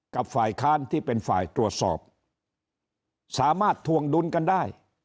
ฝ่ายค้านที่เป็นฝ่ายตรวจสอบสามารถทวงดุลกันได้